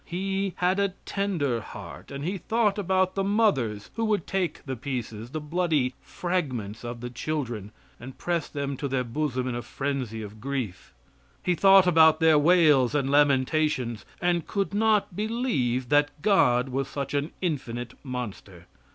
He had a tender heart, and he thought about the mothers who would take the pieces, the bloody fragments of the children, and press them to their bosom in a frenzy of grief; he thought about their wails and lamentations, and could not believe that God was such an infinite monster.